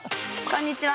こんにちは！